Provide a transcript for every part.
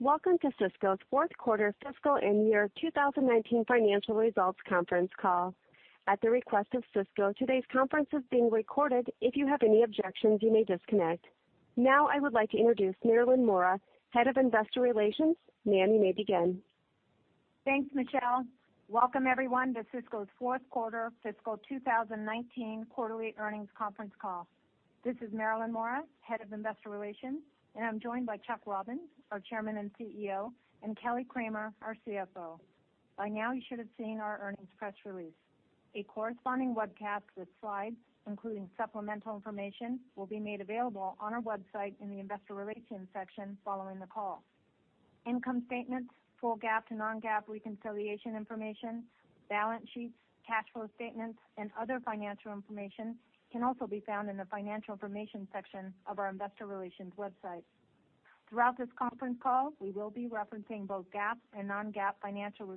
Welcome to Cisco's fourth quarter fiscal and year 2019 financial results conference call. At the request of Cisco, today's conference is being recorded. If you have any objections, you may disconnect. Now, I would like to introduce Marilyn Mora, Head of Investor Relations. Ma'am, you may begin. Thanks, Michelle. Welcome, everyone, to Cisco's fourth quarter fiscal 2019 quarterly earnings conference call. This is Marilyn Mora, Head of Investor Relations, and I'm joined by Chuck Robbins, our Chairman and CEO, and Kelly Kramer, our CFO. By now, you should have seen our earnings press release. A corresponding webcast with slides, including supplemental information, will be made available on our website in the investor relations section following the call. Income statements, full GAAP to non-GAAP reconciliation information, balance sheets, cash flow statements, and other financial information can also be found in the financial information section of our investor relations website. Throughout this conference call, we will be referencing both GAAP and non-GAAP financial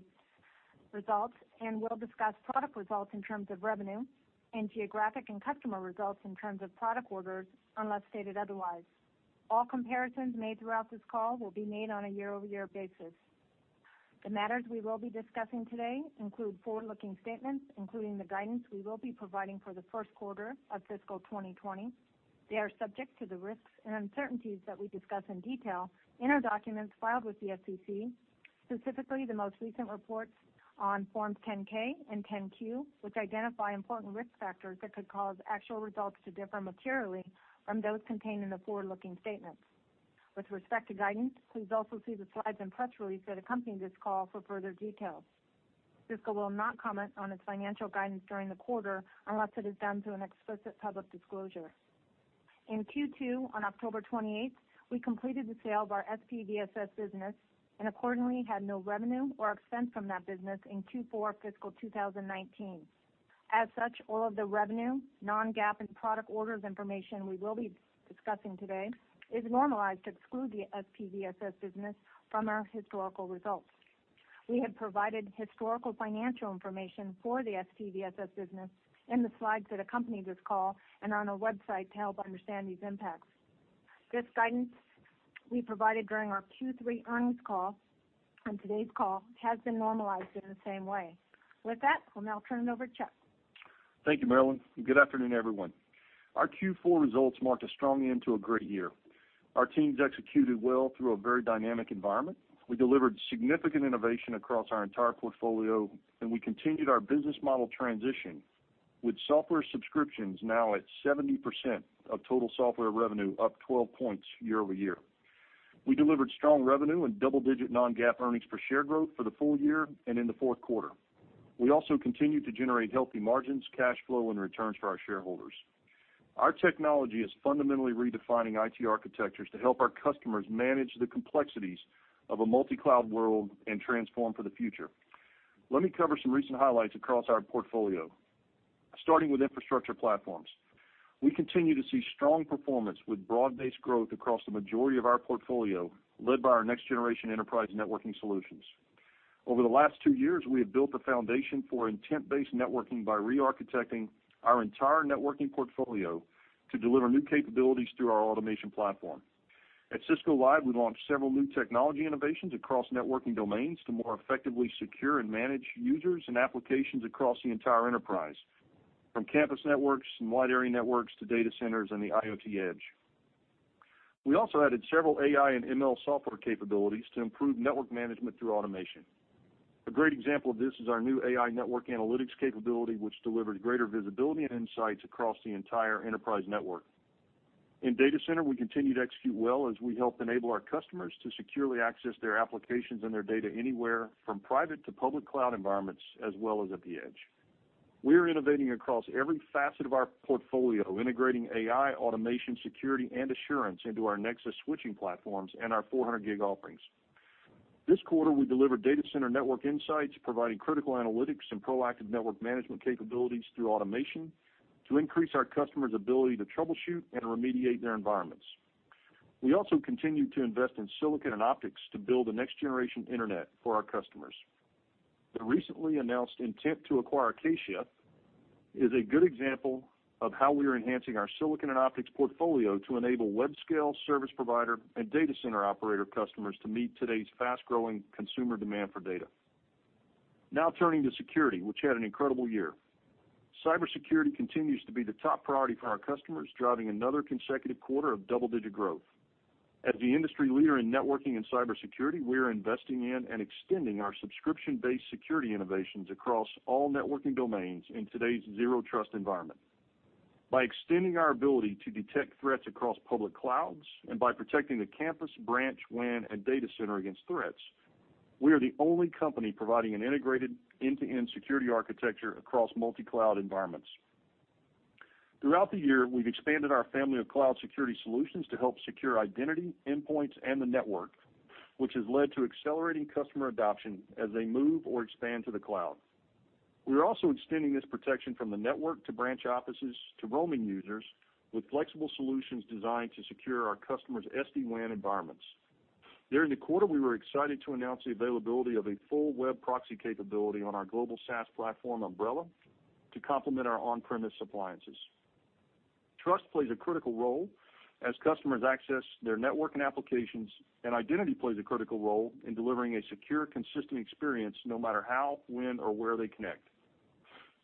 results and will discuss product results in terms of revenue and geographic and customer results in terms of product orders, unless stated otherwise. All comparisons made throughout this call will be made on a year-over-year basis. The matters we will be discussing today include forward-looking statements, including the guidance we will be providing for the first quarter of fiscal 2020. They are subject to the risks and uncertainties that we discuss in detail in our documents filed with the SEC, specifically the most recent reports on forms 10-K and 10-Q, which identify important risk factors that could cause actual results to differ materially from those contained in the forward-looking statements. With respect to guidance, please also see the slides and press release that accompany this call for further details. Cisco will not comment on its financial guidance during the quarter unless it is done through an explicit public disclosure. In Q2, on October 28th, we completed the sale of our SPVSS business and accordingly had no revenue or expense from that business in Q4 fiscal 2019. As such, all of the revenue, non-GAAP, and product orders information we will be discussing today is normalized to exclude the SPVSS business from our historical results. We have provided historical financial information for the SPVSS business in the slides that accompany this call and on our website to help understand these impacts. This guidance we provided during our Q3 earnings call and today's call has been normalized in the same way. With that, we'll now turn it over to Chuck. Thank you, Marilyn. Good afternoon, everyone. Our Q4 results marked a strong end to a great year. Our teams executed well through a very dynamic environment. We delivered significant innovation across our entire portfolio, and we continued our business model transition with software subscriptions now at 70% of total software revenue, up 12 points year-over-year. We delivered strong revenue and double-digit non-GAAP earnings per share growth for the full year and in the fourth quarter. We also continued to generate healthy margins, cash flow, and returns for our shareholders. Our technology is fundamentally redefining IT architectures to help our customers manage the complexities of a multi-cloud world and transform for the future. Let me cover some recent highlights across our portfolio. Starting with infrastructure platforms, we continue to see strong performance with broad-based growth across the majority of our portfolio, led by our next-generation enterprise networking solutions. Over the last two years, we have built the foundation for intent-based networking by re-architecting our entire networking portfolio to deliver new capabilities through our automation platform. At Cisco Live, we launched several new technology innovations across networking domains to more effectively secure and manage users and applications across the entire enterprise, from campus networks and wide area networks to data centers and the IoT edge. We also added several AI and ML software capabilities to improve network management through automation. A great example of this is our new AI network analytics capability, which delivered greater visibility and insights across the entire enterprise network. In data center, we continued to execute well as we helped enable our customers to securely access their applications and their data anywhere from private to public cloud environments, as well as at the edge. We're innovating across every facet of our portfolio, integrating AI, automation, security, and assurance into our Nexus switching platforms and our 400G offerings. This quarter, we delivered data center network insights, providing critical analytics and proactive network management capabilities through automation to increase our customers' ability to troubleshoot and remediate their environments. We also continued to invest in silicon and optics to build the next generation internet for our customers. The recently announced intent to acquire Acacia is a good example of how we are enhancing our silicon and optics portfolio to enable web scale service provider and data center operator customers to meet today's fast-growing consumer demand for data. Turning to security, which had an incredible year. Cybersecurity continues to be the top priority for our customers, driving another consecutive quarter of double-digit growth. As the industry leader in networking and cybersecurity, we are investing in and extending our subscription-based security innovations across all networking domains in today's zero trust environment. By extending our ability to detect threats across public clouds and by protecting the campus branch WAN and data center against threats, we are the only company providing an integrated end-to-end security architecture across multi-cloud environments. Throughout the year, we've expanded our family of cloud security solutions to help secure identity, endpoints, and the network, which has led to accelerating customer adoption as they move or expand to the cloud. We are also extending this protection from the network to branch offices to roaming users with flexible solutions designed to secure our customers' SD-WAN environments. During the quarter, we were excited to announce the availability of a full web proxy capability on our global SaaS platform, Umbrella, to complement our on-premise appliances. Trust plays a critical role as customers access their network and applications, and identity plays a critical role in delivering a secure, consistent experience, no matter how, when, or where they connect.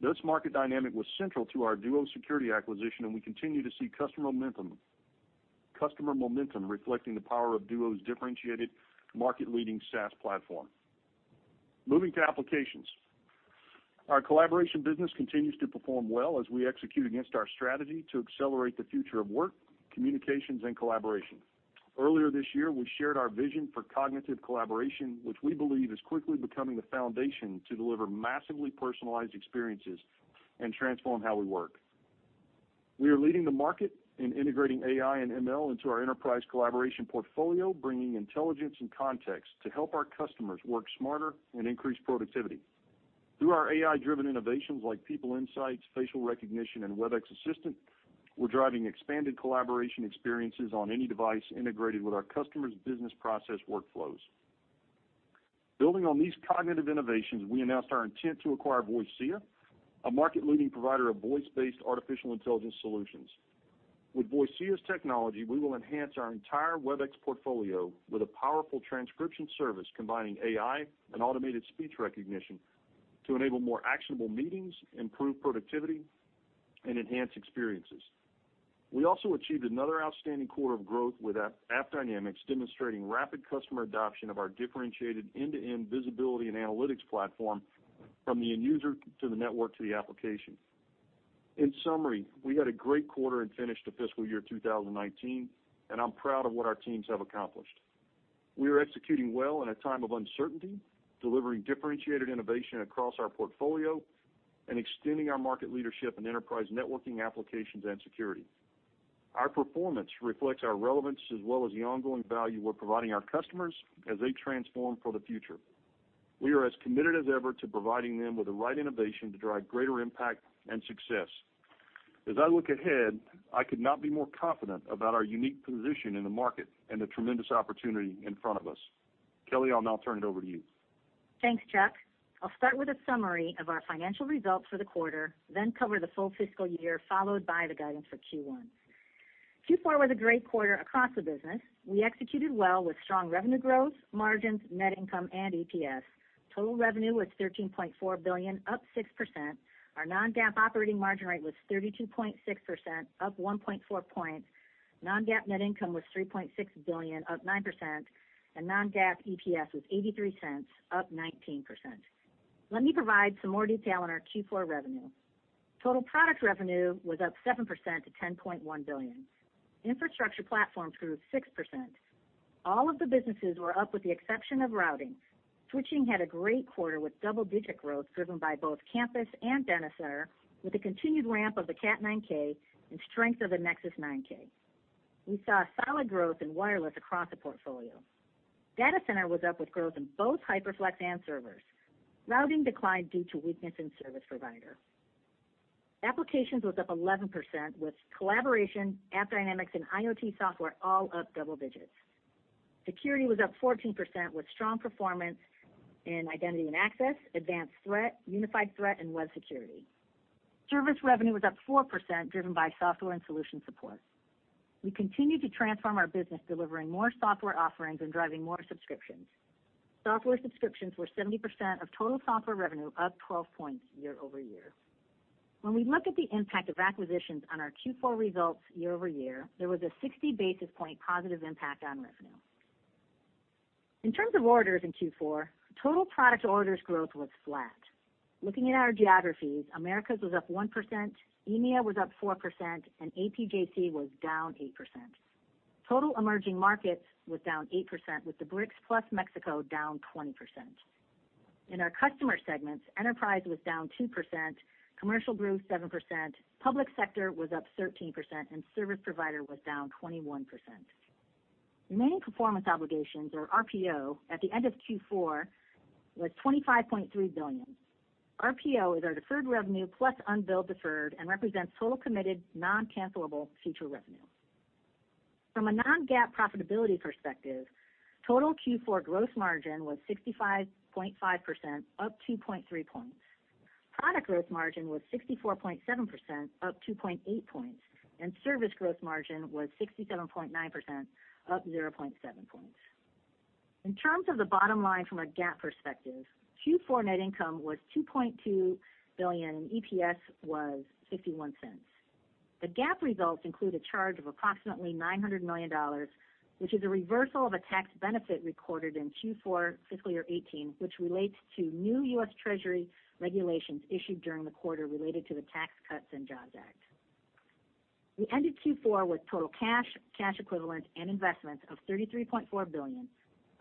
This market dynamic was central to our Duo Security acquisition, and we continue to see customer momentum reflecting the power of Duo's differentiated market-leading SaaS platform. Moving to applications. Our Collaboration business continues to perform well as we execute against our strategy to accelerate the future of work, communications, and Collaboration. Earlier this year, we shared our vision for cognitive Collaboration, which we believe is quickly becoming the foundation to deliver massively personalized experiences and transform how we work. We are leading the market in integrating AI and ML into our enterprise Collaboration portfolio, bringing intelligence and context to help our customers work smarter and increase productivity. Through our AI-driven innovations like People Insights, Facial Recognition, and Webex Assistant, we're driving expanded collaboration experiences on any device integrated with our customers' business process workflows. Building on these cognitive innovations, we announced our intent to acquire Voicea, a market-leading provider of voice-based artificial intelligence solutions. With Voicea's technology, we will enhance our entire Webex portfolio with a powerful transcription service combining AI and automated speech recognition to enable more actionable meetings, improve productivity, and enhance experiences. We also achieved another outstanding quarter of growth with AppDynamics demonstrating rapid customer adoption of our differentiated end-to-end visibility and analytics platform from the end user to the network to the application. In summary, we had a great quarter and finished the fiscal year 2019, and I'm proud of what our teams have accomplished. We are executing well in a time of uncertainty, delivering differentiated innovation across our portfolio and extending our market leadership in enterprise networking applications and security. Our performance reflects our relevance as well as the ongoing value we're providing our customers as they transform for the future. We are as committed as ever to providing them with the right innovation to drive greater impact and success. As I look ahead, I could not be more confident about our unique position in the market and the tremendous opportunity in front of us. Kelly, I'll now turn it over to you. Thanks, Chuck. I'll start with a summary of our financial results for the quarter, cover the full fiscal year, followed by the guidance for Q1. Q4 was a great quarter across the business. We executed well with strong revenue growth, margins, net income, and EPS. Total revenue was $13.4 billion, up 6%. Our non-GAAP operating margin rate was 32.6%, up 1.4 points. Non-GAAP net income was $3.6 billion, up 9%, and non-GAAP EPS was $0.83, up 19%. Let me provide some more detail on our Q4 revenue. Total product revenue was up 7% to $10.1 billion. Infrastructure platform grew 6%. All of the businesses were up with the exception of routing. Switching had a great quarter with double-digit growth driven by both campus and data center, with the continued ramp of the Catalyst 9000 and strength of the Nexus 9000. We saw a solid growth in wireless across the portfolio. Data center was up with growth in both HyperFlex and servers. Routing declined due to weakness in service provider. Applications was up 11% with Collaboration, AppDynamics, and IoT software all up double digits. Security was up 14% with strong performance in identity and access, advanced threat, unified threat, and web security. Service revenue was up 4%, driven by software and solution support. We continue to transform our business, delivering more software offerings and driving more subscriptions. Software subscriptions were 70% of total software revenue, up 12 points year-over-year. When we look at the impact of acquisitions on our Q4 results year-over-year, there was a 60 basis point positive impact on revenue. In terms of orders in Q4, total product orders growth was flat. Looking at our geographies, Americas was up 1%, EMEA was up 4%, and APJC was down 8%. Total emerging markets was down 8%, with the BRICS plus Mexico down 20%. In our customer segments, enterprise was down 2%, commercial grew 7%, public sector was up 13%, and service provider was down 21%. Remaining performance obligations or RPO at the end of Q4 was $25.3 billion. RPO is our deferred revenue plus unbilled deferred and represents total committed non-cancelable future revenue. From a non-GAAP profitability perspective, total Q4 gross margin was 65.5%, up 2.3 points. Product gross margin was 64.7%, up 2.8 points, and service gross margin was 67.9%, up 0.7 points. In terms of the bottom line from a GAAP perspective, Q4 net income was $2.2 billion, and EPS was $0.61. The GAAP results include a charge of approximately $900 million, which is a reversal of a tax benefit recorded in Q4 fiscal year 2018, which relates to new U.S. Treasury regulations issued during the quarter related to the Tax Cuts and Jobs Act. We ended Q4 with total cash equivalent, and investment of $33.4 billion.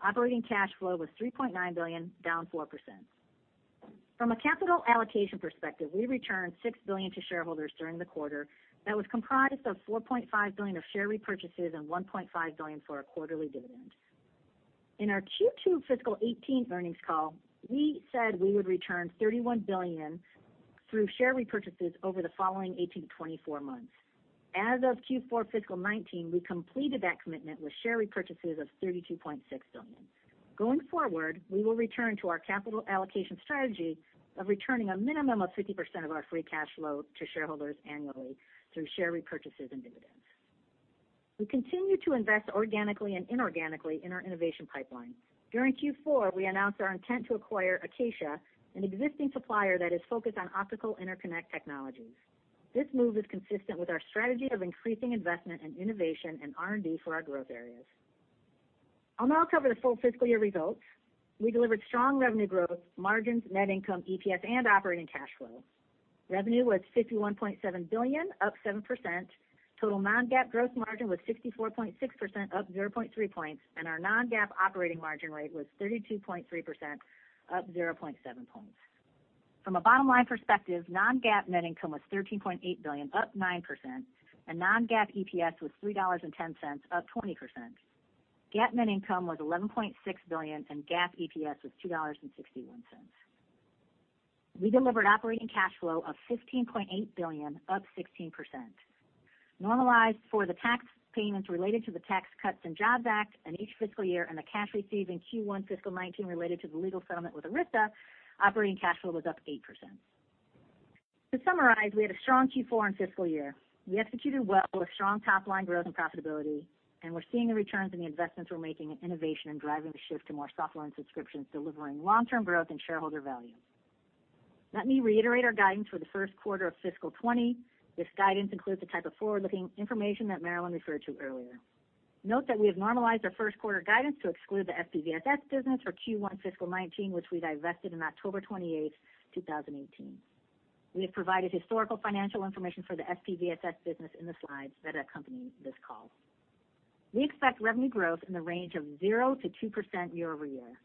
Operating cash flow was $3.9 billion, down 4%. From a capital allocation perspective, we returned $6 billion to shareholders during the quarter that was comprised of $4.5 billion of share repurchases and $1.5 billion for our quarterly dividend. In our Q2 fiscal 2018 earnings call, we said we would return $31 billion through share repurchases over the following 18-24 months. As of Q4 fiscal 2019, we completed that commitment with share repurchases of $32.6 billion. Going forward, we will return to our capital allocation strategy of returning a minimum of 50% of our free cash flow to shareholders annually through share repurchases and dividends. We continue to invest organically and inorganically in our innovation pipeline. During Q4, we announced our intent to acquire Acacia, an existing supplier that is focused on optical interconnect technologies. This move is consistent with our strategy of increasing investment in innovation and R&D for our growth areas. I'll now cover the full fiscal year results. We delivered strong revenue growth, margins, net income, EPS, and operating cash flow. Revenue was $51.7 billion, up 7%. Total non-GAAP growth margin was 64.6%, up 0.3 points, and our non-GAAP operating margin rate was 32.3%, up 0.7 points. From a bottom-line perspective, non-GAAP net income was $13.8 billion, up 9%, and non-GAAP EPS was $3.10, up 20%. GAAP net income was $11.6 billion, and GAAP EPS was $2.61. We delivered operating cash flow of $15.8 billion, up 16%. Normalized for the tax payments related to the Tax Cuts and Jobs Act in each fiscal year, and the cash received in Q1 fiscal 2019 related to the legal settlement with Arista, operating cash flow was up 8%. To summarize, we had a strong Q4 and fiscal year. We executed well with strong top-line growth and profitability, and we're seeing the returns on the investments we're making in innovation and driving the shift to more software and subscriptions, delivering long-term growth and shareholder value. Let me reiterate our guidance for the first quarter of fiscal 2020. This guidance includes the type of forward-looking information that Marilyn referred to earlier. Note that we have normalized our first-quarter guidance to exclude the SPVSS business for Q1 fiscal 2019, which we divested on October 28th, 2018. We have provided historical financial information for the SPVSS business in the slides that accompany this call. We expect revenue growth in the range of 0%-2% year-over-year.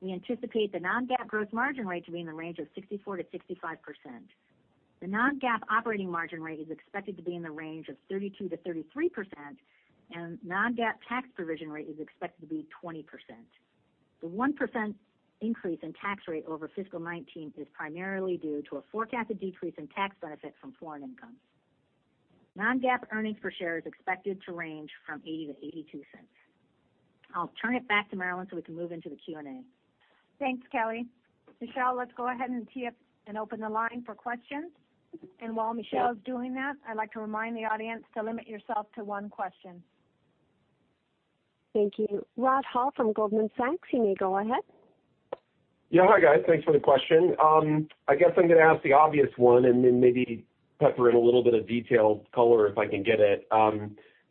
We anticipate the non-GAAP growth margin rate to be in the range of 64%-65%. The non-GAAP operating margin rate is expected to be in the range of 32%-33%, and non-GAAP tax provision rate is expected to be 20%. The 1% increase in tax rate over fiscal 2019 is primarily due to a forecasted decrease in tax benefit from foreign income. Non-GAAP earnings per share is expected to range from $0.80-$0.82. I'll turn it back to Marilyn so we can move into the Q&A. Thanks, Kelly. Michelle, let's go ahead and tee up and open the line for questions. Sure is doing that, I'd like to remind the audience to limit yourself to one question. Thank you. Rod Hall from Goldman Sachs, you may go ahead. Yeah. Hi, guys. Thanks for the question. I guess I'm going to ask the obvious one. Then maybe pepper in a little bit of detailed color if I can get it.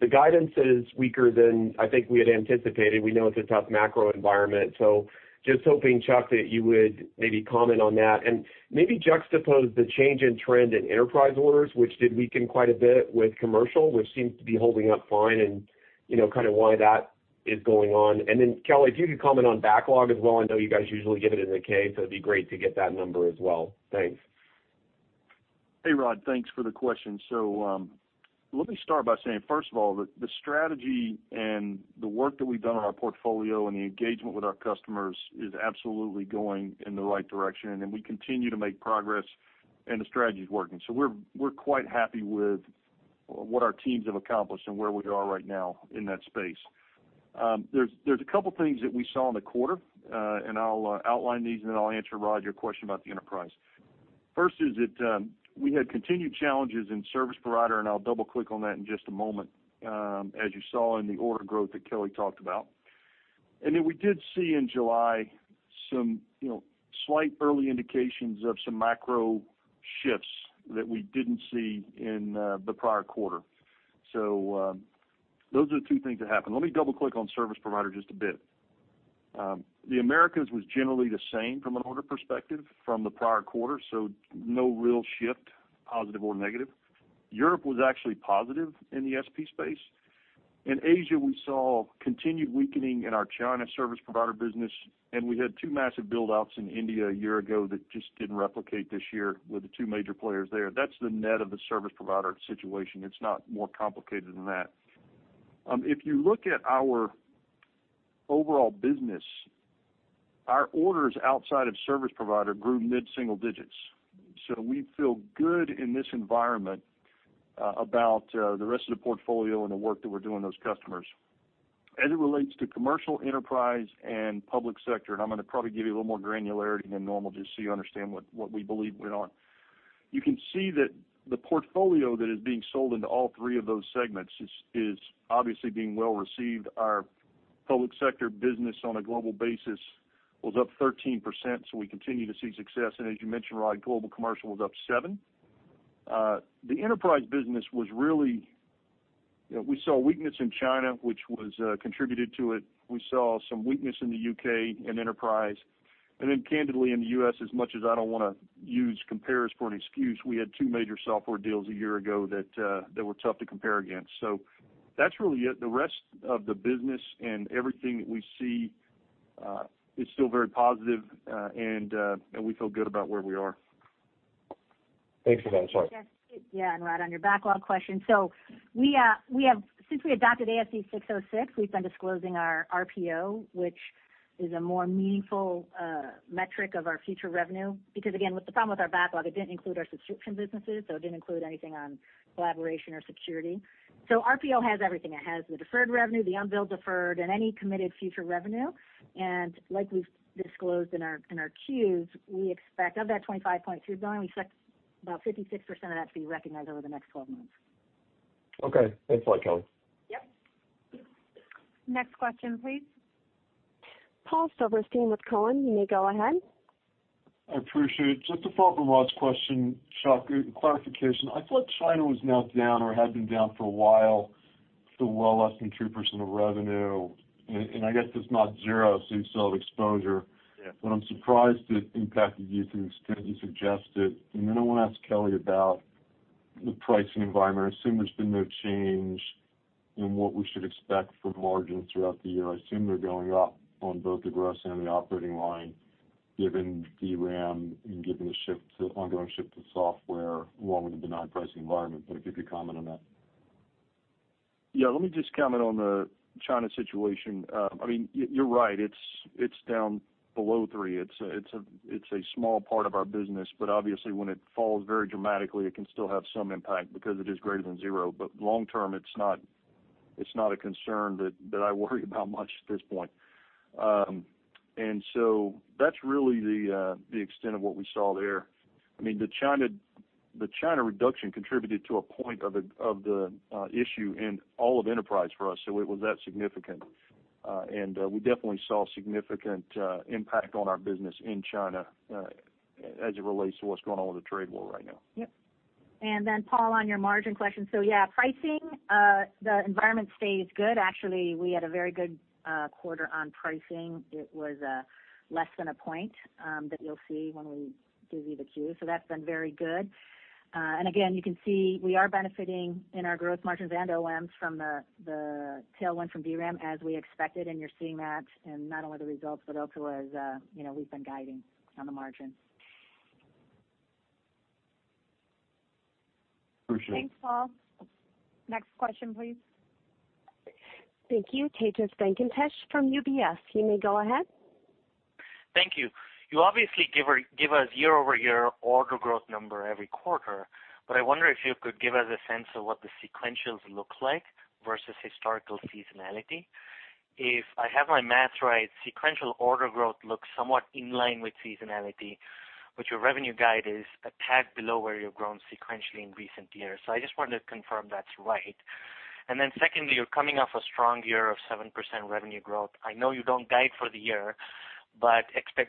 The guidance is weaker than I think we had anticipated. We know it's a tough macro environment. Just hoping, Chuck, that you would maybe comment on that. Maybe juxtapose the change in trend in enterprise orders, which did weaken quite a bit with commercial, which seems to be holding up fine, and kind of why that is going on. Kelly, if you could comment on backlog as well. I know you guys usually give it in the K. It'd be great to get that number as well. Thanks. Hey, Rod. Thanks for the question. Let me start by saying, first of all, that the strategy and the work that we've done on our portfolio and the engagement with our customers is absolutely going in the right direction, and we continue to make progress, and the strategy's working. We're quite happy with what our teams have accomplished and where we are right now in that space. There's a couple things that we saw in the quarter, and I'll outline these and then I'll answer, Rod, your question about the enterprise. First is that we had continued challenges in service provider, and I'll double-click on that in just a moment, as you saw in the order growth that Kelly talked about. We did see in July some slight early indications of some macro shifts that we didn't see in the prior quarter. Those are the two things that happened. Let me double-click on service provider just a bit. The Americas was generally the same from an order perspective from the prior quarter, so no real shift, positive or negative. Europe was actually positive in the SP space. In Asia, we saw continued weakening in our China service provider business, and we had two massive build-outs in India a year ago that just didn't replicate this year with the two major players there. That's the net of the service provider situation. It's not more complicated than that. If you look at our overall business, our orders outside of service provider grew mid-single digits. We feel good in this environment about the rest of the portfolio and the work that we're doing with those customers. As it relates to commercial enterprise and public sector, I'm going to probably give you a little more granularity than normal just so you understand what we believe went on. You can see that the portfolio that is being sold into all three of those segments is obviously being well-received. Our public sector business on a global basis was up 13%, we continue to see success. As you mentioned, Rod, global commercial was up seven. We saw weakness in China, which was contributed to it. We saw some weakness in the U.K. in enterprise. Candidly, in the U.S., as much as I don't want to use compares for an excuse, we had two major software deals a year ago that were tough to compare against. That's really it. The rest of the business and everything that we see is still very positive, and we feel good about where we are. Thanks for that. Sorry. Yeah. Rod, on your backlog question, since we adopted ASC 606, we've been disclosing our RPO, which is a more meaningful metric of our future revenue. Because again, with the problem with our backlog, it didn't include our subscription businesses, it didn't include anything on Collaboration or security. RPO has everything. It has the deferred revenue, the unbilled deferred, and any committed future revenue. Like we've disclosed in our Q's, we expect of that $25.2 billion, we expect about 56% of that to be recognized over the next 12 months. Okay. Thanks a lot, Kelly. Yep. Next question, please. Paul Silverstein with Cowen, you may go ahead. I appreciate. Just to follow up on Rod's question, Chuck, clarification. I thought China was now down or had been down for a while, still well less than 2% of revenue. I guess it's not zero, so you still have exposure. Yeah. I'm surprised the impact is due to the extent you suggested. Then I want to ask Kelly about the pricing environment. I assume there's been no change in what we should expect from margins throughout the year. I assume they're going up on both the gross and the operating line, given DRAM and given the ongoing shift to software, along with the benign pricing environment. If you could comment on that. Yeah. Let me just comment on the China situation. You're right, it's down below three. It's a small part of our business, but obviously when it falls very dramatically, it can still have some impact because it is greater than zero. But long term, it's not a concern that I worry about much at this point. That's really the extent of what we saw there. The China reduction contributed to a point of the issue in all of enterprise for us, so it was that significant. And we definitely saw significant impact on our business in China as it relates to what's going on with the trade war right now. Yep. Then Paul, on your margin question. Yeah, pricing, the environment stayed good. Actually, we had a very good quarter on pricing. It was less than one point that you'll see when we give you the Q. That's been very good. Again, you can see we are benefiting in our growth margins and OMs from the tailwind from DRAM as we expected, and you're seeing that in not only the results, but also as we've been guiding on the margins. Appreciate it. Thanks, Paul. Next question, please. Thank you. Tejas Venkatesh from UBS, you may go ahead. Thank you. You obviously give us year-over-year order growth number every quarter, but I wonder if you could give us a sense of what the sequentials look like versus historical seasonality. If I have my math right, sequential order growth looks somewhat in line with seasonality, but your revenue guide is a tad below where you've grown sequentially in recent years. I just wanted to confirm that's right. Secondly, you're coming off a strong year of 7% revenue growth. I know you don't guide for the year, but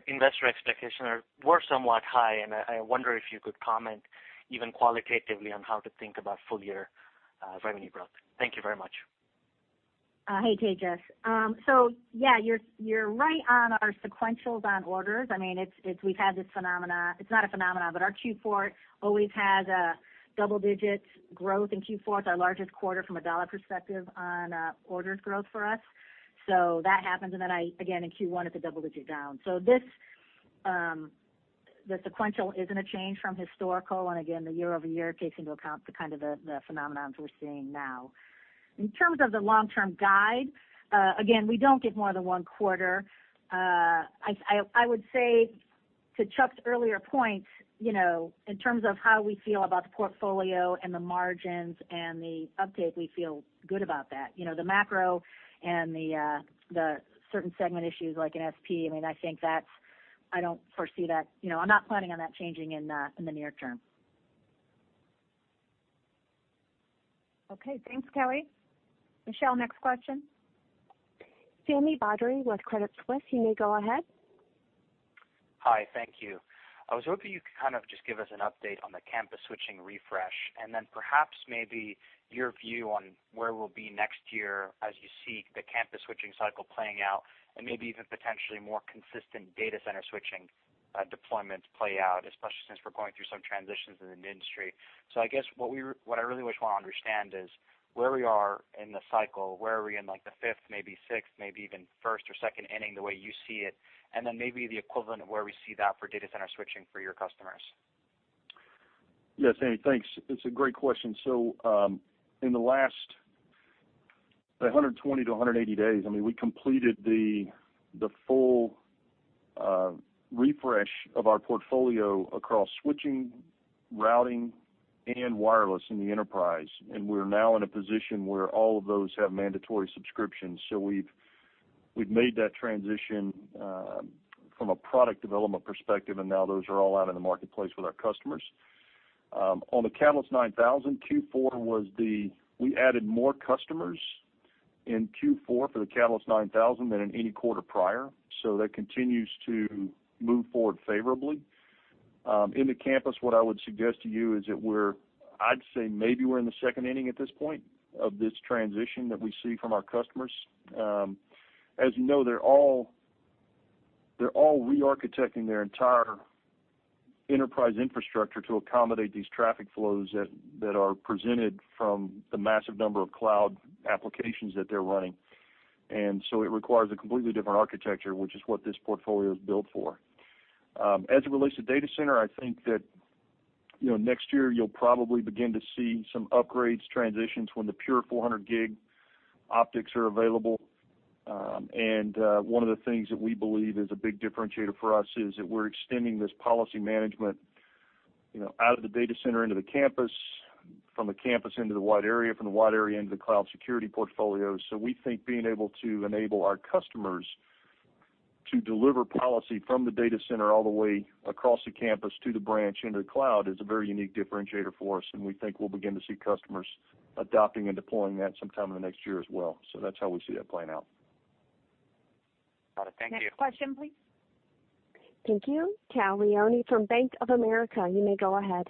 investor expectations were somewhat high, and I wonder if you could comment even qualitatively on how to think about full year revenue growth. Thank you very much. Hey, Tejas. Yeah, you're right on our sequentials on orders. We've had this phenomena. It's not a phenomena, but our Q4 always has a double-digit growth in Q4. It's our largest quarter from a dollar perspective on orders growth for us. That happens, and then again in Q1, it's a double-digit down. The sequential isn't a change from historical, and again, the year-over-year takes into account the kind of the phenomenons we're seeing now. In terms of the long-term guide, again, we don't give more than one quarter. I would say to Chuck's earlier point, in terms of how we feel about the portfolio and the margins and the update, we feel good about that. The macro and the certain segment issues like in SP, I'm not planning on that changing in the near term. Okay. Thanks, Kelly. Michelle, next question. Sami Badri with Credit Suisse. You may go ahead. Hi. Thank you. I was hoping you could kind of just give us an update on the campus switching refresh, and then perhaps maybe your view on where we'll be next year as you see the campus switching cycle playing out, and maybe even potentially more consistent data center switching deployments play out, especially since we're going through some transitions in the industry. I guess what I really just want to understand is where we are in the cycle, where are we in like the fifth, maybe sixth, maybe even first or second inning, the way you see it, and then maybe the equivalent of where we see that for data center switching for your customers. Yeah, Sami, thanks. It's a great question. In the last 120 to 180 days, we completed the full refresh of our portfolio across switching, routing, and wireless in the enterprise. We're now in a position where all of those have mandatory subscriptions. We've made that transition from a product development perspective, and now those are all out in the marketplace with our customers. On the Catalyst 9000, we added more customers in Q4 for the Catalyst 9000 than in any quarter prior. That continues to move forward favorably. In the campus, what I would suggest to you is that I'd say maybe we're in the second inning at this point of this transition that we see from our customers. As you know, they're all re-architecting their entire enterprise infrastructure to accommodate these traffic flows that are presented from the massive number of cloud applications that they're running. It requires a completely different architecture, which is what this portfolio is built for. As it relates to data center, I think that next year, you'll probably begin to see some upgrades, transitions when the pure 400G optics are available. One of the things that we believe is a big differentiator for us is that we're extending this policy management, out of the data center into the campus, from the campus into the wide area, from the wide area into the cloud security portfolio. We think being able to enable our customers to deliver policy from the data center all the way across the campus to the branch into the cloud is a very unique differentiator for us, and we think we'll begin to see customers adopting and deploying that sometime in the next year as well. That's how we see that playing out. Got it. Thank you. Next question, please. Thank you. Tal Liani from Bank of America, you may go ahead.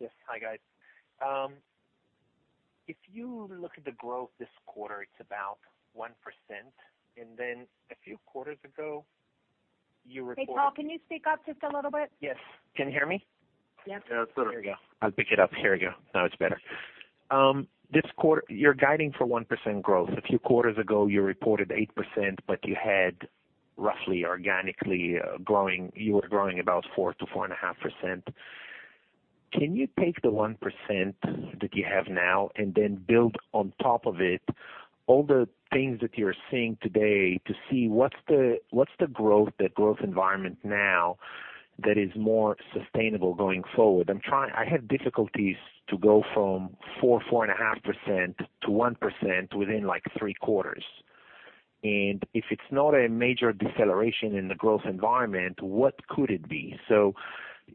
Yes. Hi, guys. If you look at the growth this quarter, it's about 1%. A few quarters ago, you reported- Hey, Tal, can you speak up just a little bit? Yes. Can you hear me? Yes. Yeah. Here we go. I'll pick it up. Here we go. Now it's better. This quarter, you're guiding for 1% growth. A few quarters ago, you reported 8%. You had roughly organically, you were growing about 4% to 4.5%. Can you take the 1% that you have now then build on top of it all the things that you're seeing today to see what's the growth environment now that is more sustainable going forward? I have difficulties to go from 4%, 4.5% to 1% within three quarters. If it's not a major deceleration in the growth environment, what could it be?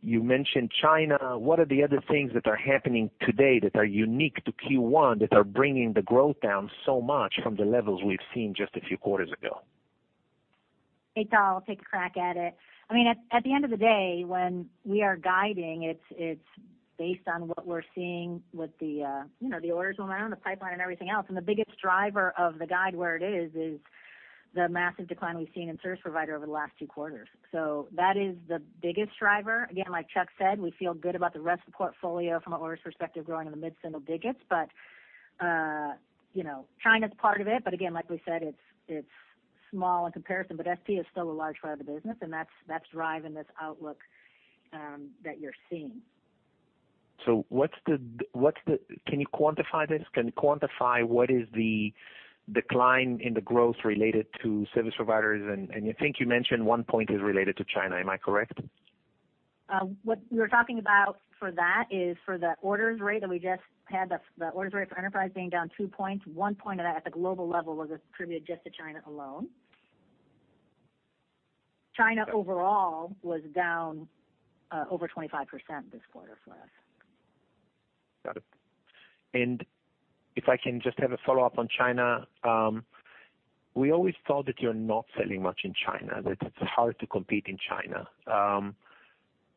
You mentioned China. What are the other things that are happening today that are unique to Q1 that are bringing the growth down so much from the levels we've seen just a few quarters ago? Hey, Tal, I'll take a crack at it. I mean, at the end of the day, when we are guiding, it is based on what we're seeing with the orders on our own, the pipeline and everything else. The biggest driver of the guide where it is the massive decline we've seen in service provider over the last two quarters. That is the biggest driver. Again, like Chuck said, we feel good about the rest of the portfolio from an orders perspective, growing in the mid single digits. China's part of it, but again, like we said, it's small in comparison, but SP is still a large part of the business, and that's driving this outlook that you're seeing. Can you quantify this? Can you quantify what is the decline in the growth related to service providers? I think you mentioned one point is related to China. Am I correct? What we were talking about for that is for the orders rate that we just had, the orders rate for enterprise being down two points. One point of that at the global level was attributed just to China alone. China overall was down over 25% this quarter for us. Got it. If I can just have a follow-up on China. We always thought that you're not selling much in China, that it's hard to compete in China.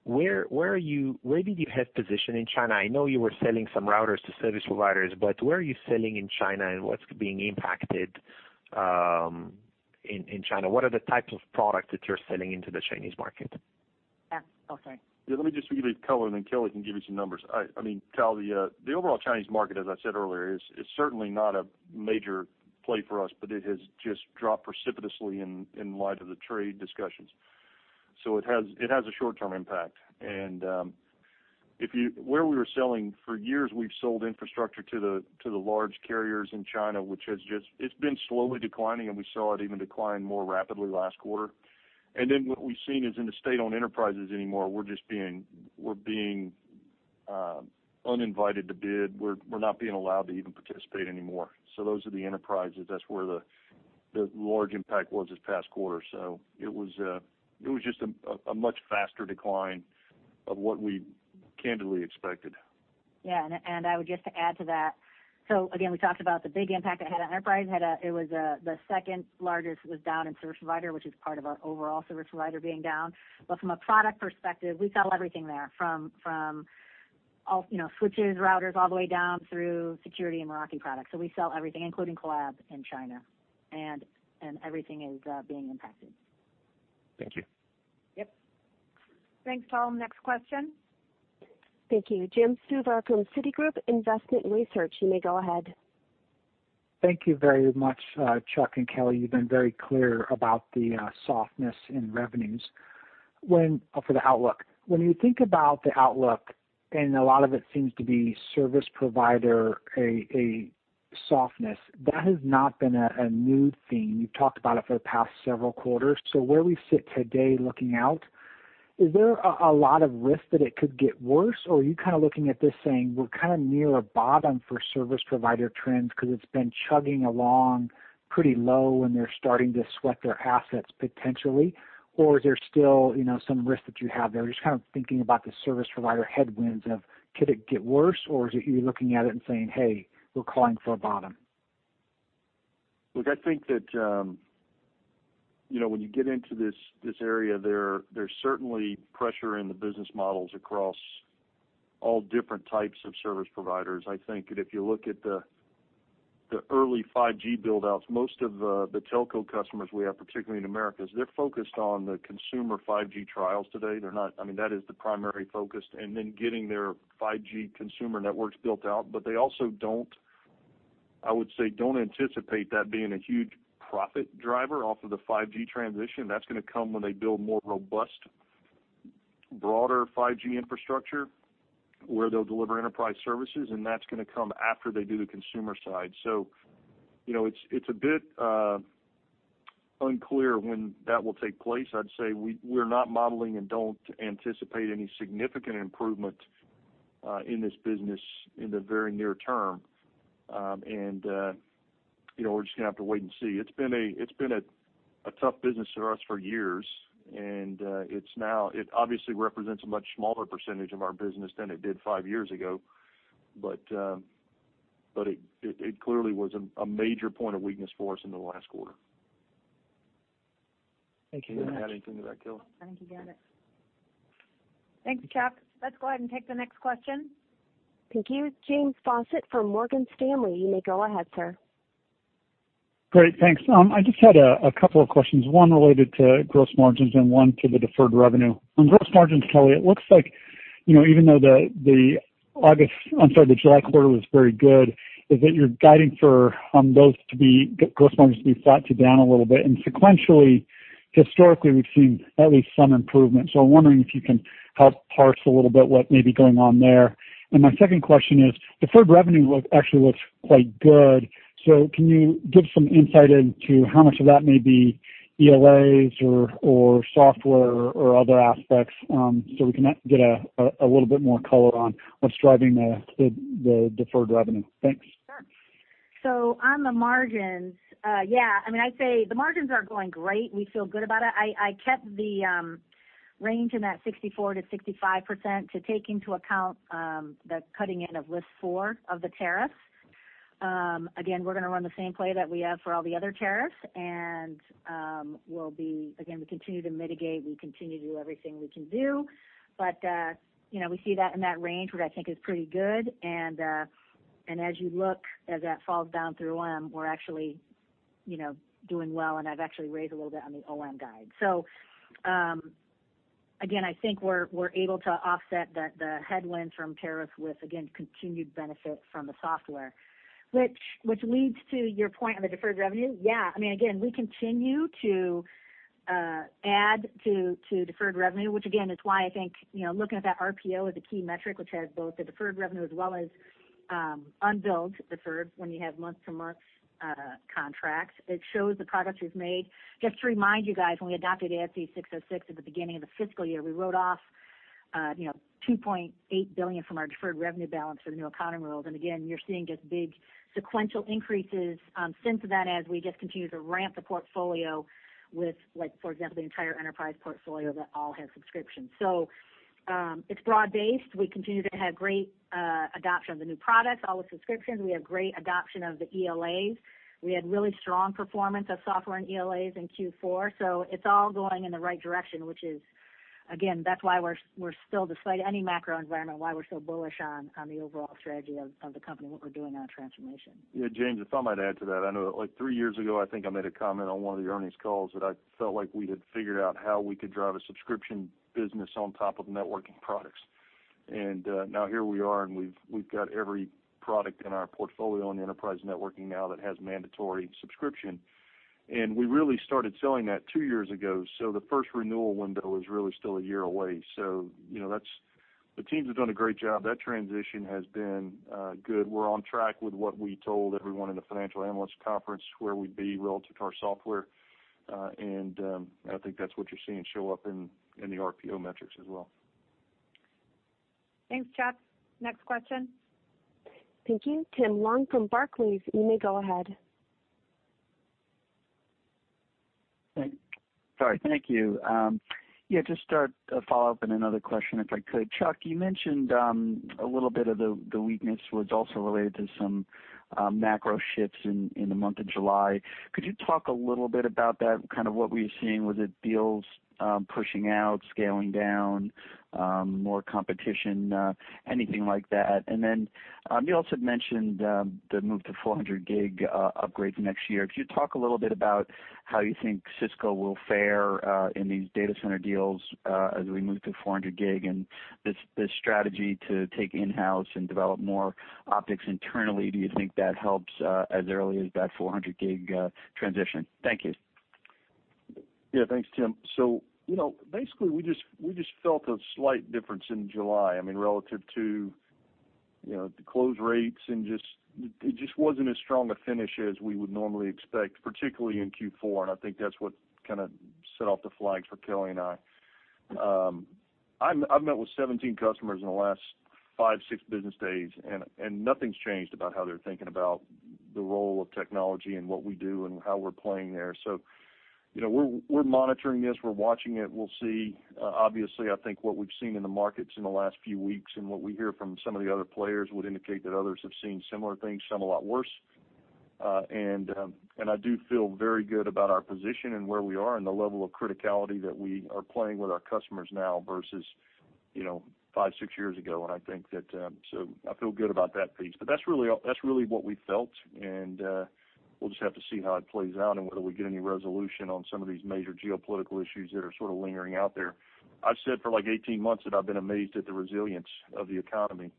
Where did you have position in China? I know you were selling some routers to service providers, but where are you selling in China, and what's being impacted in China? What are the types of product that you're selling into the Chinese market? Oh, sorry. Yeah, let me just give you the color, then Kelly can give you some numbers. I mean, Tal, the overall Chinese market, as I said earlier, is certainly not a major play for us, it has just dropped precipitously in light of the trade discussions. It has a short-term impact. Where we were selling, for years we've sold infrastructure to the large carriers in China, which it's been slowly declining, and we saw it even decline more rapidly last quarter. What we've seen is in the state-owned enterprises anymore, we're being uninvited to bid. We're not being allowed to even participate anymore. Those are the enterprises. That's where the large impact was this past quarter. It was just a much faster decline of what we candidly expected. Yeah. I would just add to that, again, we talked about the big impact it had on enterprise. The second largest was down in service provider, which is part of our overall service provider being down. From a product perspective, we sell everything there, from switches, routers, all the way down through security and Meraki products. We sell everything, including Collaboration in China, and everything is being impacted. Thank you. Yep. Thanks, Tal. Next question. Thank you. Jim Suva from Citigroup Investment Research. You may go ahead. Thank you very much, Chuck and Kelly. You've been very clear about the softness in revenues for the outlook. When you think about the outlook, a lot of it seems to be service provider, a softness, that has not been a new theme. You've talked about it for the past several quarters. Where we sit today looking out, is there a lot of risk that it could get worse, or are you looking at this saying we're near a bottom for service provider trends because it's been chugging along pretty low, and they're starting to sweat their assets potentially? Is there still some risk that you have there? Just thinking about the service provider headwinds of could it get worse, or are you looking at it and saying, "Hey, we're calling for a bottom"? Look, I think that when you get into this area, there's certainly pressure in the business models across all different types of service providers. I think that if you look at the early 5G build-outs, most of the telco customers we have, particularly in Americas, they're focused on the consumer 5G trials today. That is the primary focus. Getting their 5G consumer networks built out. They also don't I would say anticipate that being a huge profit driver off of the 5G transition. That's going to come when they build more robust, broader 5G infrastructure where they'll deliver enterprise services, and that's going to come after they do the consumer side. It's a bit unclear when that will take place. I'd say we're not modeling and don't anticipate any significant improvement in this business in the very near term. We're just going to have to wait and see. It's been a tough business for us for years, and it obviously represents a much smaller percentage of our business than it did five years ago. It clearly was a major point of weakness for us in the last quarter. Thank you very much. You didn't add anything to that, Kelly? I think you got it. Thanks, Chuck. Let's go ahead and take the next question. Thank you. James Faucette from Morgan Stanley. You may go ahead, sir. Great. Thanks. I just had a couple of questions, one related to gross margins and one to the deferred revenue. On gross margins, Kelly, it looks like even though the July quarter was very good, is that you're guiding for gross margins to be flat to down a little bit. Sequentially, historically, we've seen at least some improvement. I'm wondering if you can help parse a little bit what may be going on there. My second question is, deferred revenue actually looks quite good. Can you give some insight into how much of that may be ELAs or software or other aspects so we can get a little bit more color on what's driving the deferred revenue? Thanks. Sure. On the margins, yeah, the margins are going great. We feel good about it. I kept the range in that 64%-65% to take into account the cutting in of list 4 of the tariffs. We're going to run the same play that we have for all the other tariffs, and we continue to mitigate, we continue to do everything we can do. We see that in that range, which I think is pretty good. As you look as that falls down through OM, we're actually doing well, and I've actually raised a little bit on the OM guide. Again, I think we're able to offset the headwinds from tariffs with, again, continued benefit from the software, which leads to your point on the deferred revenue. Yeah. We continue to add to deferred revenue, which again, is why I think looking at that RPO as a key metric, which has both the deferred revenue as well as unbilled deferred when you have month-to-month contracts. It shows the progress we've made. Just to remind you guys, when we adopted ASC 606 at the beginning of the fiscal year, we wrote off $2.8 billion from our deferred revenue balance for the new accounting rules. You're seeing just big sequential increases since then as we just continue to ramp the portfolio with, for example, the entire enterprise portfolio that all has subscriptions. It's broad-based. We continue to have great adoption of the new products, all with subscriptions. We have great adoption of the ELAs. We had really strong performance of software and ELAs in Q4. It's all going in the right direction, which is, again, that's why we're still, despite any macro environment, why we're so bullish on the overall strategy of the company and what we're doing on transformation. Yeah, James, if I might add to that. I know that three years ago, I think I made a comment on one of the earnings calls that I felt like we had figured out how we could drive a subscription business on top of networking products. Now here we are, and we've got every product in our portfolio in the enterprise networking now that has mandatory subscription. We really started selling that two years ago. The first renewal window is really still one year away. The teams have done a great job. That transition has been good. We're on track with what we told everyone in the financial analyst conference where we'd be relative to our software. I think that's what you're seeing show up in the RPO metrics as well. Thanks, Chuck. Next question. Thank you. Tim Long from Barclays. You may go ahead. Sorry. Thank you. Yeah, just start a follow-up and another question, if I could. Chuck, you mentioned a little bit of the weakness was also related to some macro shifts in the month of July. Could you talk a little bit about that, kind of what were you seeing? Was it deals pushing out, scaling down, more competition, anything like that? You also mentioned the move to 400G upgrades next year. Could you talk a little bit about how you think Cisco will fare in these data center deals as we move to 400G and this strategy to take in-house and develop more optics internally? Do you think that helps as early as that 400G transition? Thank you. Yeah. Thanks, Tim. Basically, we just felt a slight difference in July, relative to the close rates and it just wasn't as strong a finish as we would normally expect, particularly in Q4. I think that's what kind of set off the flags for Kelly and I. I've met with 17 customers in the last five, six business days, nothing's changed about how they're thinking about the role of technology and what we do and how we're playing there. We're monitoring this. We're watching it. We'll see. Obviously, I think what we've seen in the markets in the last few weeks what we hear from some of the other players would indicate that others have seen similar things, some a lot worse. I do feel very good about our position and where we are and the level of criticality that we are playing with our customers now versus five, six years ago. I think that I feel good about that piece. That's really what we felt, and we'll just have to see how it plays out and whether we get any resolution on some of these major geopolitical issues that are sort of lingering out there. I've said for like 18 months that I've been amazed at the resilience of the economy.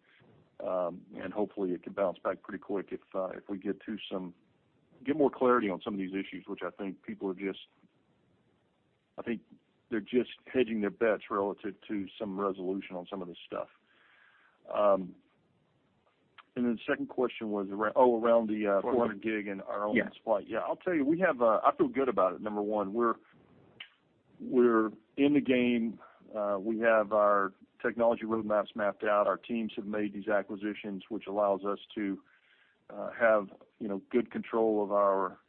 Hopefully it can bounce back pretty quick if we get more clarity on some of these issues, which I think people are just I think they're just hedging their bets relative to some resolution on some of this stuff. The second question was around the 400G and our own supply. Yes. Yeah. I'll tell you, I feel good about it, number one. We're in the game. We have our technology roadmaps mapped out. Our teams have made these acquisitions, which allows us to have good control of our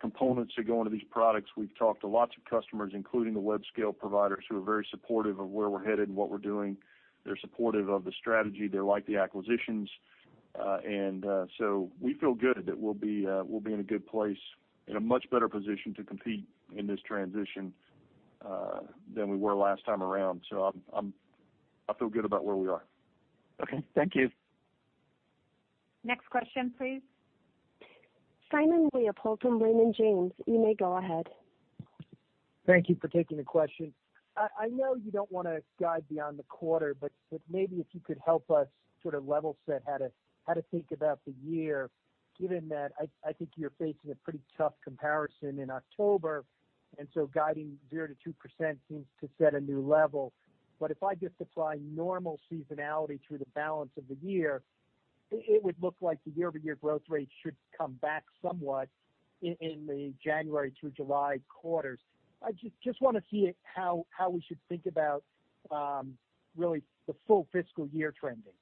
components that go into these products. We've talked to lots of customers, including the web scale providers, who are very supportive of where we're headed and what we're doing. They're supportive of the strategy. They like the acquisitions. We feel good that we'll be in a good place, in a much better position to compete in this transition, than we were last time around. I feel good about where we are. Okay. Thank you. Next question, please. Simon Leopold from Raymond James, you may go ahead. Thank you for taking the question. I know you don't want to guide beyond the quarter, but maybe if you could help us sort of level set how to think about the year, given that I think you're facing a pretty tough comparison in October, and so guiding 0%-2% seems to set a new level. If I just apply normal seasonality through the balance of the year, it would look like the year-over-year growth rate should come back somewhat in the January through July quarters. I just want to see how we should think about really the full fiscal year trending.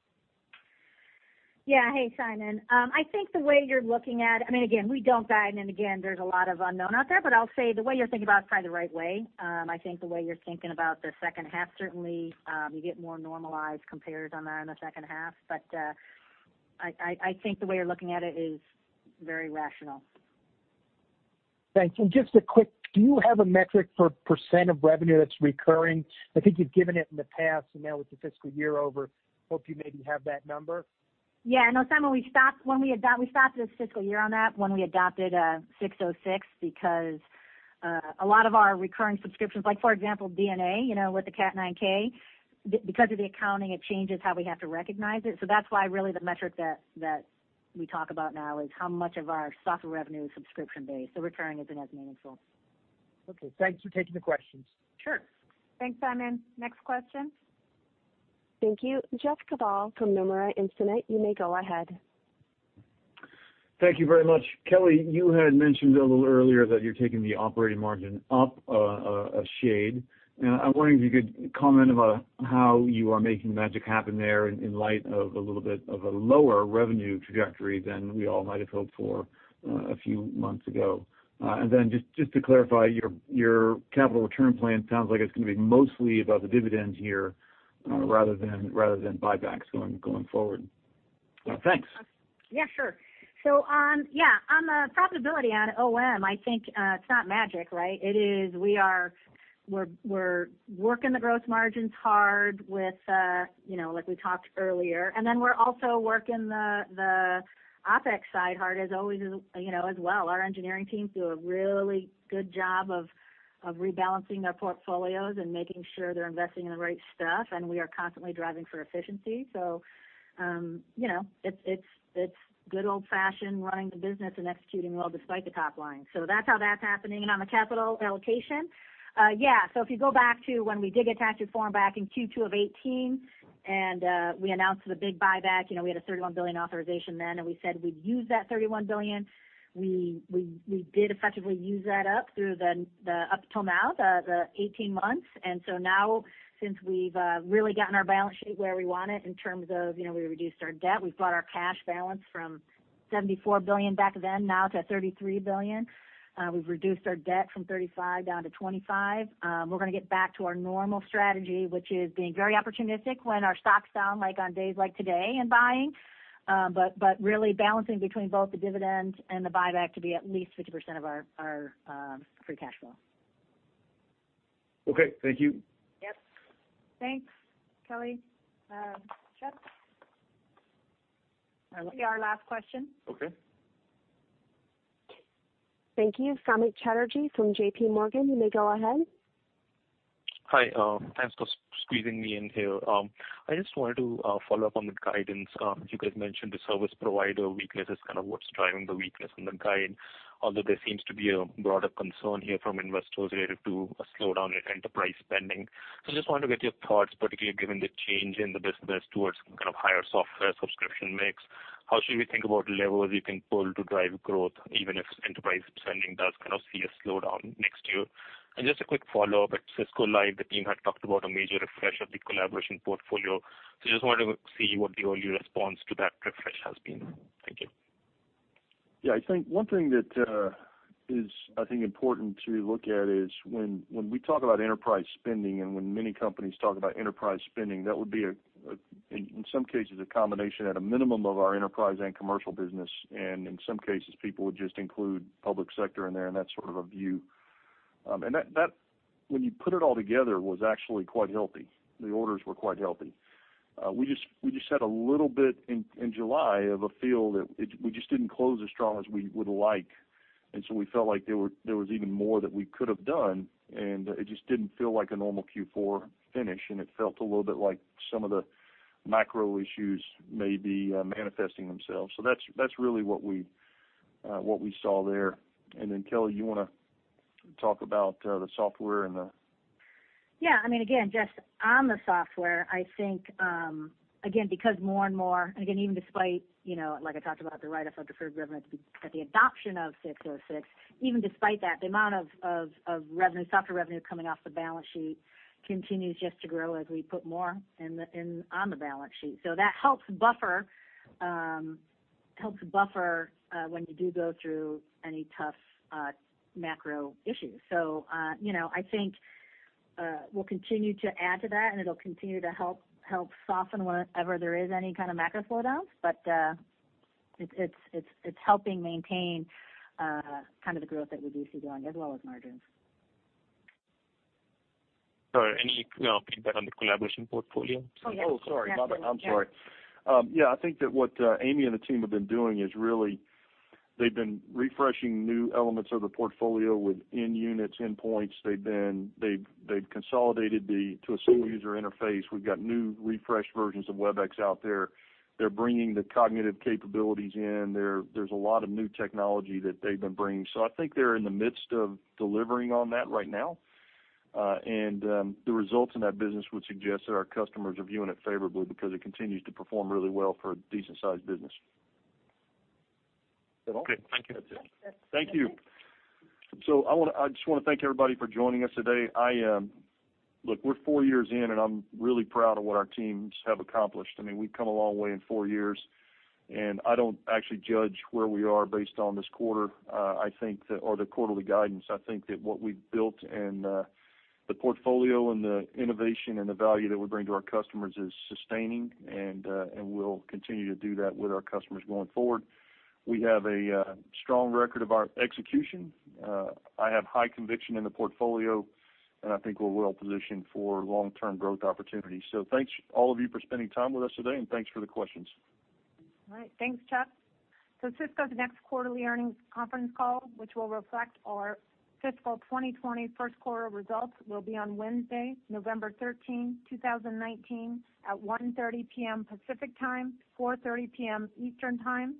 Yeah. Hey, Simon. I think the way you're looking at it, again, we don't guide, and again, there's a lot of unknown out there, I'll say the way you're thinking about it is probably the right way. I think the way you're thinking about the second half, certainly, you get more normalized compares on that in the second half. I think the way you're looking at it is very rational. Thanks. Do you have a metric for % of revenue that's recurring? I think you've given it in the past, and now with the fiscal year over, hope you maybe have that number. Yeah, no, Simon, we stopped this fiscal year on that when we adopted ASC 606 because a lot of our recurring subscriptions, like for example, Cisco DNA with the Catalyst 9000, because of the accounting, it changes how we have to recognize it. That's why really the metric that we talk about now is how much of our software revenue is subscription-based. Recurring isn't as meaningful. Okay. Thanks for taking the questions. Sure. Thanks, Simon. Next question. Thank you. Jeff Kvaal from Nomura Instinet, you may go ahead. Thank you very much. Kelly, you had mentioned a little earlier that you're taking the operating margin up a shade. I'm wondering if you could comment about how you are making the magic happen there in light of a little bit of a lower revenue trajectory than we all might have hoped for a few months ago. Just to clarify, your capital return plan sounds like it's going to be mostly about the dividends here rather than buybacks going forward. Thanks. Yeah, sure. On profitability on OM, I think it's not magic, right? It is we're working the gross margins hard like we talked earlier. We're also working the OpEx side hard as always as well. Our engineering teams do a really good job of rebalancing their portfolios and making sure they're investing in the right stuff. We are constantly driving for efficiency. It's good old-fashioned running the business and executing well despite the top line. That's how that's happening. On the capital allocation, if you go back to when we did a tax reform back in Q2 of 2018, and we announced the big buyback, we had a $31 billion authorization then, and we said we'd use that $31 billion. We did effectively use that up till now, the 18 months. Now since we've really gotten our balance sheet where we want it in terms of, we reduced our debt, we've brought our cash balance from $74 billion back then now to $33 billion. We've reduced our debt from $35 down to $25. Really balancing between both the dividends and the buyback to be at least 50% of our free cash flow. Okay. Thank you. Yep. Thanks, Kelly. Jeff. That will be our last question. Okay. Thank you. Samik Chatterjee from J.P. Morgan, you may go ahead. Hi. Thanks for squeezing me in here. I just wanted to follow up on the guidance. You guys mentioned the service provider weakness is kind of what's driving the weakness in the guide, although there seems to be a broader concern here from investors related to a slowdown in enterprise spending. I just wanted to get your thoughts, particularly given the change in the business towards some kind of higher software subscription mix. How should we think about levels you can pull to drive growth, even if enterprise spending does kind of see a slowdown next year? Just a quick follow-up. At Cisco Live, the team had talked about a major refresh of the Collaboration portfolio. I just wanted to see what the early response to that refresh has been. Thank you. Yeah, I think one thing that is, I think, important to look at is when we talk about enterprise spending and when many companies talk about enterprise spending, that would be, in some cases, a combination at a minimum of our enterprise and commercial business. In some cases, people would just include Public Sector in there, and that sort of a view. That, when you put it all together, was actually quite healthy. The orders were quite healthy. We just had a little bit in July of a feel that we just didn't close as strong as we would like. We felt like there was even more that we could have done, and it just didn't feel like a normal Q4 finish, and it felt a little bit like some of the macro issues may be manifesting themselves. What we saw there. Kelly, you want to talk about the software. Yeah. Just on the software, I think, again, because more and more, again, even despite, like I talked about the write-off of deferred revenue at the adoption of ASC 606, even despite that, the amount of software revenue coming off the balance sheet continues just to grow as we put more on the balance sheet. That helps buffer when you do go through any tough macro issues. I think we'll continue to add to that, and it'll continue to help soften whenever there is any kind of macro slowdowns. It's helping maintain the growth that we do see going, as well as margins. Sorry, any update on the Collaboration portfolio? Oh, yes. Sorry. I'm sorry. I think that what Amy and the team have been doing is really, they've been refreshing new elements of the portfolio with end units, endpoints. They've consolidated to a single user interface. We've got new refreshed versions of Webex out there. They're bringing the cognitive capabilities in. There's a lot of new technology that they've been bringing. I think they're in the midst of delivering on that right now. The results in that business would suggest that our customers are viewing it favorably because it continues to perform really well for a decent-sized business. Is that all? Okay, thank you. That's it. Thank you. I just want to thank everybody for joining us today. Look, we're four years in, and I'm really proud of what our teams have accomplished. We've come a long way in four years, and I don't actually judge where we are based on this quarter or the quarterly guidance. I think that what we've built in the portfolio and the innovation and the value that we bring to our customers is sustaining, and we'll continue to do that with our customers going forward. We have a strong record of our execution. I have high conviction in the portfolio, and I think we're well positioned for long-term growth opportunities. Thanks all of you for spending time with us today, and thanks for the questions. All right, thanks, Chuck. Cisco's next quarterly earnings conference call, which will reflect our fiscal 2020 first quarter results, will be on Wednesday, November 13, 2019, at 1:30 P.M. Pacific Time, 4:30 P.M. Eastern Time.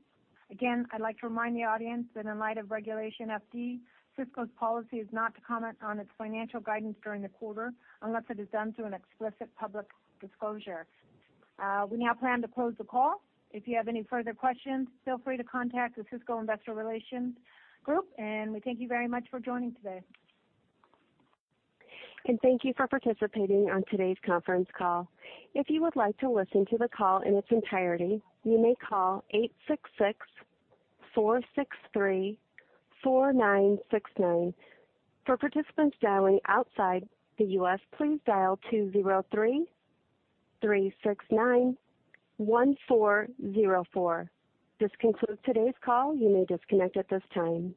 Again, I'd like to remind the audience that in light of Regulation FD, Cisco's policy is not to comment on its financial guidance during the quarter unless it is done through an explicit public disclosure. We now plan to close the call. If you have any further questions, feel free to contact the Cisco investor relations group, and we thank you very much for joining today. Thank you for participating on today's conference call. If you would like to listen to the call in its entirety, you may call 866-463-4969. For participants dialing outside the U.S., please dial 203-369-1404. This concludes today's call. You may disconnect at this time.